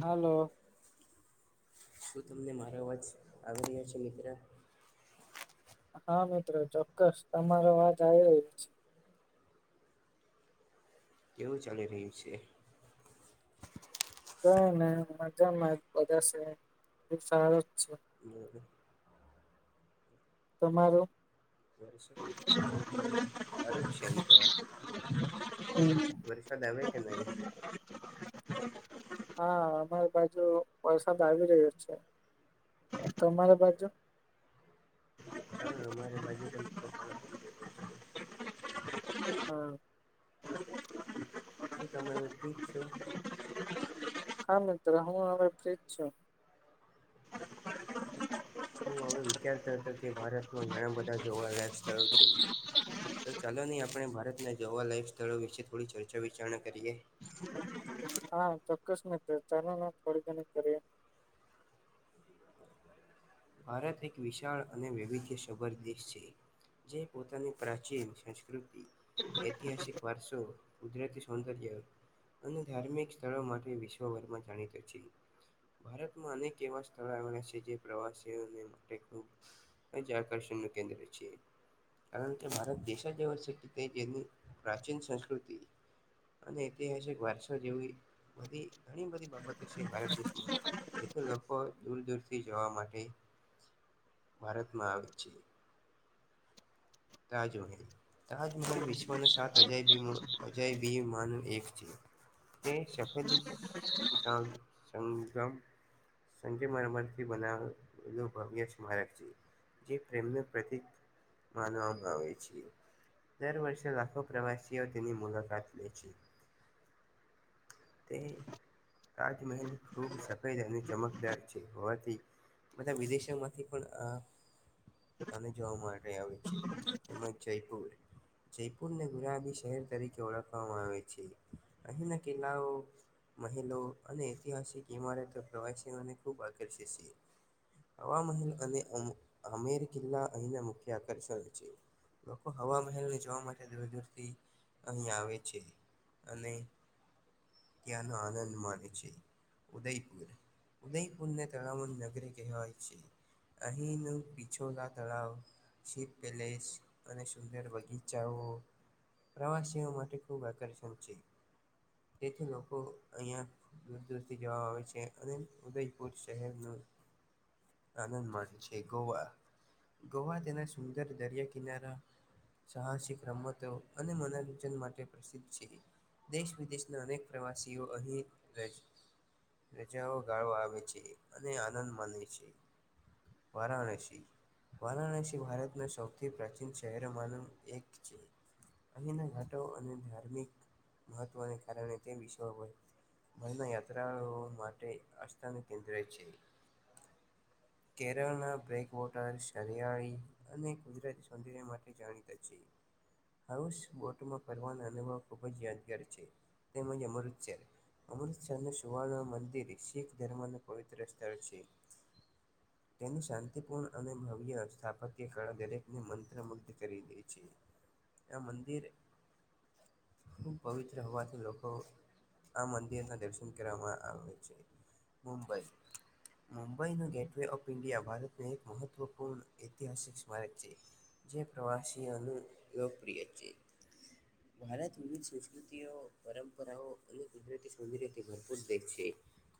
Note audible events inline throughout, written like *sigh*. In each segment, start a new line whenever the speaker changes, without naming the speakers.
Hello.
શું તમને મારા અવાજ આવી રહ્યા છે મિત્ર
હા મિત્રો ચોક્કસ તમારો વાત આવી રહ્યો છે.
કેવું ચાલી રહ્યું છે.
તોને મજામાં બધા સે ખૂબ સારો જ છે.
બરાબર.
તમારું
વરસાદ સારું જ છે એમ ત્યાં વરસાદ આવે કે નહી.
હા અમારી બાજુ વરસાદ આવી રહ્યો છે. તમારા બાજુ
હા અમારે બાજુ પણ થોડો ઘણો આવી રહ્યો છે.
હા.
શું તમે વિપરીત છો?
હા મિત્ર, હું હવે ફ્રીજ છું.
હું હવે વિચારતો હતો કે, ભારતમાં ઘણા બધા જોવા લાયક સ્થળો છે. તો ચાલો ની, આપણે ભારતના જોવા લાઈફ સ્થળો વિશે થોડી ચર્ચા વિચારણા કરીએ.
હા ચોક્કસ મિત્ર, ચાલોને થોડી ઘણી કરીએ.
ભારત એક વિશાળ અને વૈવિધ્ય સભર દેશ છે. જે પોતાની પ્રાચીન, સંસ્કૃતિ, ઐતિહાસિક. વારસો, કુદરતી સૌંદર્ય. અને ધાર્મિક સ્થળો માટે વિશ્વભરમાં જાણીતો છે. ભારતમાં અનેક એવા સ્થળો આવેના છે, જે પ્રવાસ સીઓ ને માટે ખુબ જ આકર્ષણ નું કેન્દ્ર છે. કારણ કે ભારત દેશજ એવો છે, કે તે તેની પ્રાચીન સંસ્કૃતિ અને ઐતિહાસિક વારસો જેવી, બધી ઘણી બધી બાબતો છે ભારત દેશમાં, જેથી લોકો દૂર દૂરથી જવા માટે ભારતમાં આવે છે. રાહ જોહે. તાજમહેલ વિશ્વનો સાત અજાયબીનું, અજાયબી માંનુ એક છે. હલી સામ સંંગ્રમ સંજે મર્મરથી બનાવેલું ભવ્ય સ્મારક છે, જે પ્રેમનું પ્રતિક માનવામાં આવે છે, દર વર્ષે લાખો પ્રવાસીઓ તેની મુલાકાત લે છે. તે, તાજમહેલ ખૂબ સફેદ અને ચમકદાર છે, હોવાથી બધા વિદેશોમાંથી પણ અ આને જોવા માટે આવે છે, તેમજ જયપુર જયપુરને ગુલાબી શહેર તરીકે ઓળખવામાં આવે છે, અહીંના કિલ્લાઓ મહેલો અને ઐતિહાસિક ઇમારતો પ્રવાસીઓને ખૂબ આકર્ષે છે. હવામહેલ અને અમ આમેર કિલ્લા અહીંના મુખ્ય આકર્ષણ છે. લોકો હવા મહેલને જોવા માટે દૂર દૂરથી અહીં આવે છે, અને ત્યાં નો આનંદ માની છેે. ઉદયપુર, ઉદયપુરને તળાવોની નગરી કહેવાય છે. અહીંનું પિછોલા તળાવ ચીપ પેલેસ અને સુંદર બગીચાઓ. પ્રવાસીઓ માટે ખૂબ આકર્ષણ છે. તેથી લોકો અહિયાં દૂર દૂરથી જોવા આવે છે, અને ઉદયપુર શહેર નુ આનંદ માણે છે, ગોવા, ગોવા તેના સુંદર દરિયા કિનારા સાહસિક રમતો અને મનોરંજન માટે પ્રસિદ્ધ છે, દેશ વિદેશ અનેક પ્રવાસીઓ અહીં રે છે. રજાઓ ગાળવા આવે છે, અને આનંદ માને છે. વરાણસી વારાણસી, ભારતના સૌથી પ્રાચીન શહેરો માંનુ એક છે. અહીંના ઘાટો અને ધાર્મિક મહત્વને કારણે તે વિશ્વભર મરમાં યાત્રાઓ માટે આસ્થાનું કેન્દ્ર છે.
*inaudible*
કેરળ ના બ્રેકવોટર શરિયાળી અને કુદરત સૌંદર્ય માટે જાણીતા છે. હાઉસ બોટમાં ફરનો અનુભવ ખુબ જ યાદગાર છે, તેમજ અમૃતસર અમૃતસરનું સુવર્ણ મંદિર શીખ ધર્મનું પવિત્ર સ્થળ છે.
*inaudible*
તેની શાંતિપૂર્ણ અને ભવ્ય સ્થાપત્ય કળા દરેકને મંત્રમુગ્ધ કરી દે છે. આ મંદિર ખૂબ પવિત્ર હોવાથી લોકો તો આ મંદિરના દર્શન કરવામાં આવે છે મુંબઈ મુંબઈનું ગેટવે ઓફ ઈન્ડિયા ભારતનું એક મહત્વપૂર્ણ ઐતિહાસિક સ્મારક છે. જે પ્રવાસીઓનું એક લોકપ્રિય છે. ભારત વિવિધ સંસ્કૃતિઓ પરંપરાઓ અને કુદરતી સૌંદર્યથી ભરપૂર દેખ છે.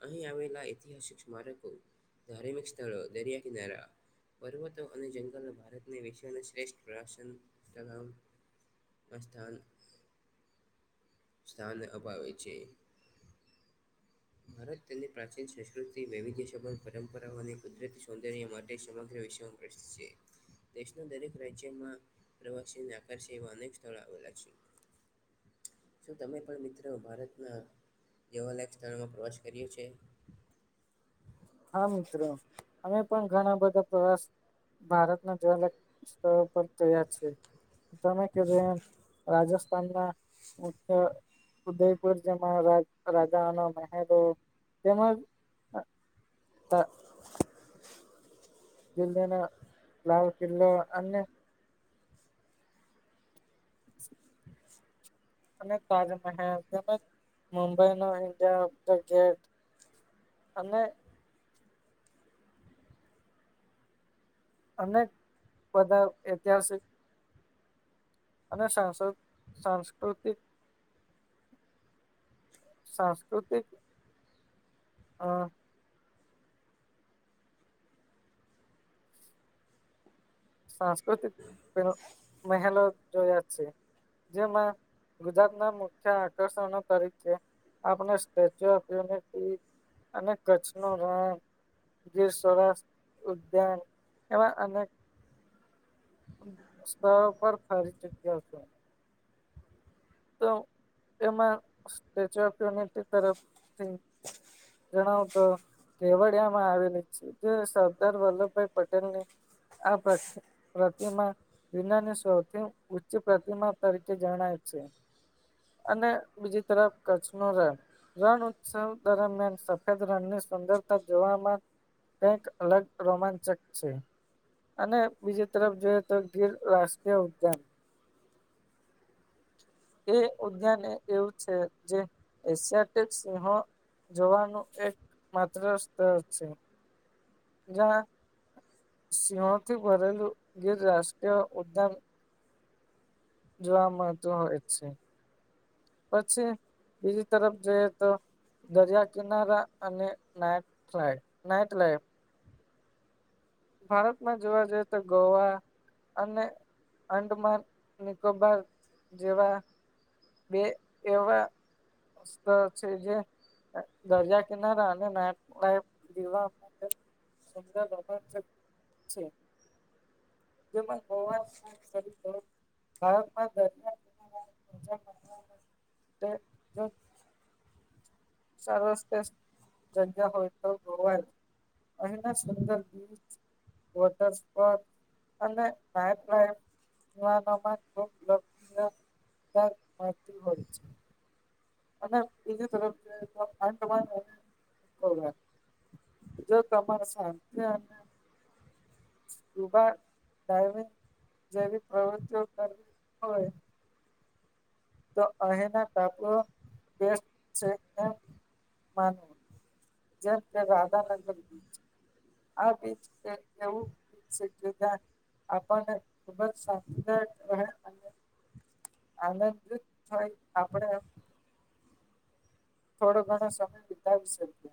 અહીં આવેલા ઐતિહાસિક સ્મારકો ધાર્મિક સ્થળો દરિયા કિનારા પર્વતો અને જંગલો ભારતને વિશ્વના શ્રેષ્ઠ પ્રશન તળમ અસ્થાન સ્થાન અપાવે છે. ભારત તેમની પ્રાચીન સંસ્કૃતિ વૈવિધ્ય સબંધ પરંપરાઓ અને કુદરતી સૌંદર્ય માટે સમગ્ર વિશ્વમાં *unintelligible* છે. દેશના દરેક રાજ્યમાં પ્રવાસીને આકરશૅર છે એવા અનેક સ્થળો આવેલા છે. શું તમે પણ મિત્રો ભારતના દેવાલાયક સ્થળોમાં પ્રવાસ કર્યો છે?
હા મિત્રો અમે પણ ઘણા બધા પ્રવાસ ભારતના જોવાલાયક સ્થળો પણ જોયાં છે. તમે રાજસ્થાન ના મુખ્ય ઉદયપુર જેમાં રાજાનો મહેલો તેમજ *unintelligible* *unintelligible* લાલ કિલ્લો અને *inaudible* અને *unintelligible* મુંબઈ ન ઇન્ડિયા ગેટ અનેક અનેક બધા ઐતિહાસિક અને સાંસ્કૃતિક સાંસ્કૃતિક અ સાંસ્કૃતિક મહેલો જોયા છે. જેમાં ગુજરાતના મુખ્ય આકર્ષણ તરીકે આપણે સ્ટેચ્યુ ઓફ યુનિટી અને કચ્છ નો રણ જે સ્વરાષ્ર, ઉદ્યાન એવા અનેક સ્થળ પર ફરી ચુક્યા છે. તો એમાં સ્ટેચ્યુ ઓફ યુનિટી તરફથી જણાવ તો કેવડિયામાં આવેલી છે, જે સરદાર વલ્લભભાઈ પટેલ ની આ પ્ર પ્રતિમા વિનાની સૌથી ઉચ્ચ પ્રતિમા તરીકે જણાય છે. અને બીજી તરફ કચ્છ નો રણ રણ ઉત્સવ દરમિયાન સફેદ રણ ની સુંદરતા જોવામાં કંઈક અલગ રોમાંચક છે. અને બીજી તરફ જોઈએ તો ગીર રાષ્ટ્રીય ઉદ્યાન એ ઉદ્યાન એ એવું છે જે એશિયાિક સિંહો જોવાનું એક માત્ર સ્થળ છે. જ્યાં સિહોથી ભરેલું ગીર રાષ્ટ્રીય ઉદ્યાન જોવા મળતું હોય છે પછી બીજી તરફ જોઈએ તો દરિયા કિનારા અને નાટ *inaudible* નાઈટ લાઈફ. ભારતમાં જોવા જઈએ તો ગોવા અને અંદમાન નિકોબાર જેવા બે એવા સ્થળ છે જે દરિયા કિનારા અને *inaudible* દીવા માટે *inaudible* છે. *inaudible* ભારતમાં *inaudible* *unintelligible* જગ્યા હોય તો ગોવા અહીના સુંદર બીચ *inaudible* અને *inaudible* *inaudible* અને બીજી તરફ *unintelligible* જો તમારે *inaudible* સ્કુબા ડાઇવિંગ જેવી પ્રવૃતિઓ કરવી હોય તો અહીંના ટપુઓ બેસ્ટ છે એમ માનવું જેમ કે *unintelligible* આ બીચ એક એવુ છે કે ત્યાં આપણને ખુબ જ *inaudible* અને
*inaudible*
આનંદીત થય આપડે થોડો ઘણો સમય વીતાવી શકીએ.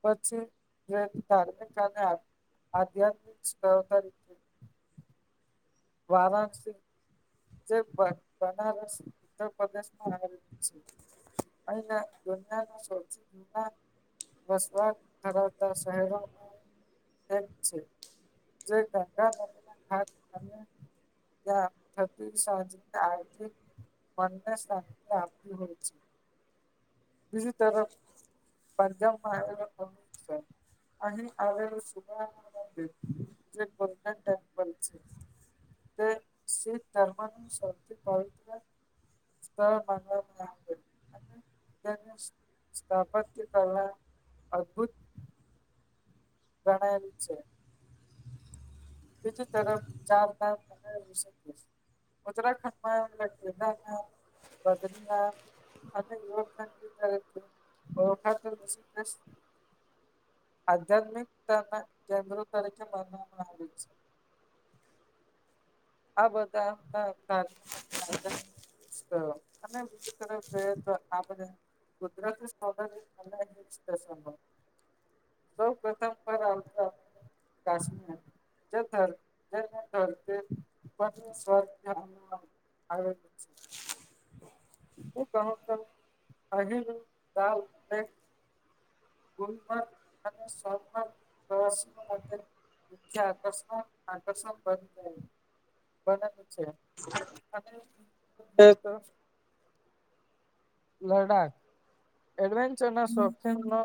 પછી જેમ ધાર્મિક અને આધ્યાત્મિક સ્થળ તરીકે વારાણસી જે બનારસ ઉત્તર પ્રદેશમાં આવેલ છે. અહીંના દુનિયાના સૌથી *inaudible* વસવાટ ધરાવતા શહેરો *unintelligible* જે ગંગા નદીના *unintelligible* *unintelligible* હોય છે. બીજી તરફ *inaudible* અહી આવેલું *inaudible* જે ગોલ્ડન ટેમ્પલ છે. તે શી ધર્મ નું સૌથી પવિત્ર સ્થળ માનવામાં આવે સ્થાપત્ય કલા અદભુત પ્રણલ છે. બીજી તરફ ચારધામ ઋષિકેશ *unintelligible* બદ્રીનાથ અને *unintelligible* આધ્યાત્મિકતાને કેન્દ્ર તરીકે માનવામાં આવે છે આ બધા *unintelligible* તો અને બીજી તરફ જોઈએ *unintelligible* *unintelligible* સૌ પ્ર *unintelligible* ભગવાન નું સ્થળ કહેવામાં આવેલું છે. *unintelligible* *unintelligible* પ્રવાસીઓ માટે આકર્ષ આકર્ષણ બની જાય છે. *unintelligible* લદાખ એડવેન્ચર ના શોખિનનો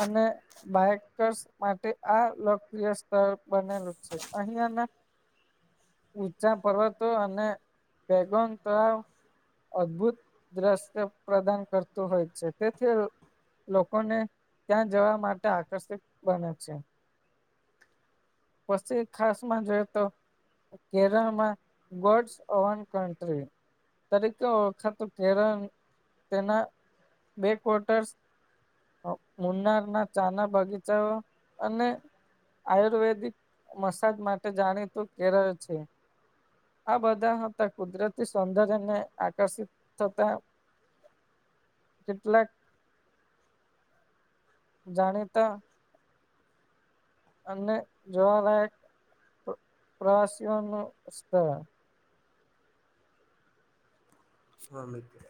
અને બાઇકસ માટે આ લોકપ્રિય સ્થળ બનેલું છે અહીંયાં ના *inaudible* ઊંચા પર્વતો અને પેગન તળાવ અદભુત દ્રશ્ય પ્રદાન કરતું હોય છે તેથી લોકોને ત્યાં જવા માટે આકર્ષિત બને છે. પછી ખાસ માં જોએ તો કેરલ માં ગોડ્સ અવન કન્ટ્રી તરીકે ઓળખાતું કેરલ તેના બે ક્વાર્ટર્સ મુન્નાર ના ચાના બગીચાઓ અને આયુર્વેદિક મસાજ માટે જાણીતું કેરલ છે. આ બધા હતા કુદરતી સૌંદર્યને આકર્ષિત થતા કેટલાક જાણીતા અને જોવાલાક પ્રવાસીઓનો સ્થળ
હા મિત્ર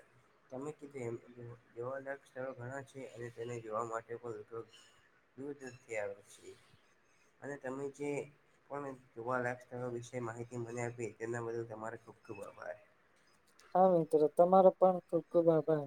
તમે કીધું એમ જોવાલાયક સ્થળો ઘણા છે અને તેને જોવા માટે પણ ઉપયોગ દૂર દૂર થી આવે છે અને તમે જે પણ જોવા લાયક સ્થળો વિશે માહિતી મને આપીએ તેના બદલ તમારે ખૂબ ખૂબ આભાર.
હા મિત્રો તમારો પણ ખુબ ખુબ આભાર